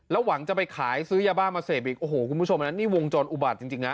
หวังจะไปขายซื้อยาบ้ามาเสพอีกโอ้โหคุณผู้ชมนะนี่วงจรอุบัติจริงนะ